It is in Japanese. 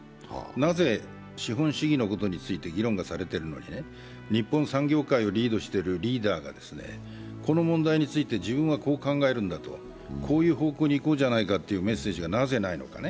なぜ資本主義のことについて議論がされているのに日本産業界をリードしているリーダーが、この問題について、自分はこう考えるんだ、こういう方向に行こうじゃないかというメッセージがなぜないのか。